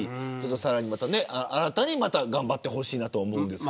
さらに、また新たに頑張ってほしいと思います。